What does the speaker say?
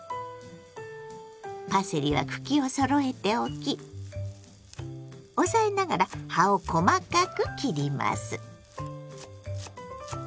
パセリは茎をそろえて置き押さえながら葉を細かく切ります。